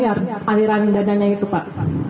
aliran dananya itu pak